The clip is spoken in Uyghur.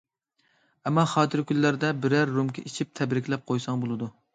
ئەمما خاتىرە كۈنلەردە بىرەر رومكا ئىچىپ تەبرىكلەپ قويساڭ بولىدۇ.